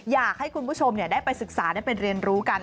อยากให้คุณผู้ชมได้ไปศึกษาได้ไปเรียนรู้กัน